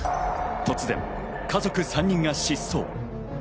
突然、家族が失踪。